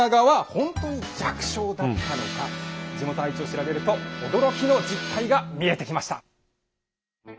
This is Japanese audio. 地元の愛知を調べると驚きの実態が見えてきました。